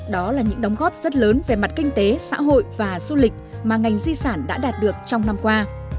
đó là những đóng góp rất lớn về mặt kinh tế xã hội và du lịch mà ngành di sản đã đạt được trong năm qua